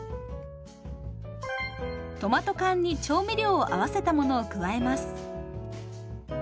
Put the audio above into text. トマト缶に調味料を合わせたものを加えます。